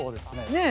ねえ？